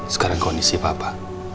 sekarang kondisi papa